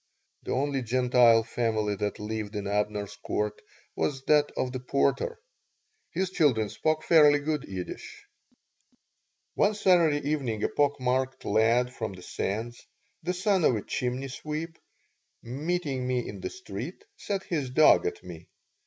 The only Gentile family that lived in Abner's Court was that of the porter. His children spoke fairly good Yiddish One Saturday evening a pock marked lad from the Sands, the son of a chimney sweep, meeting me in the street, set his dog at me.